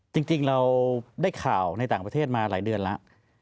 จริงเราได้ข่าวในต่างประเทศมาหลายเดือนแล้ว